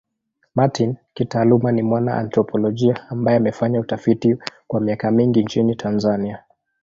Martin kitaaluma ni mwana anthropolojia ambaye amefanya utafiti kwa miaka mingi nchini Tanzania.